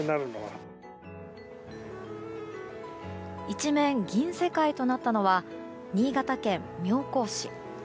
一面銀世界となったのは新潟県妙高市。